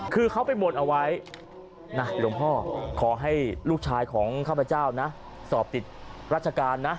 คือเขาไปบนเอาไว้นะหลวงพ่อขอให้ลูกชายของข้าพเจ้านะสอบติดราชการนะ